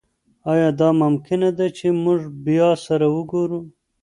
ایا دا ممکنه ده چې موږ بیا سره وګورو؟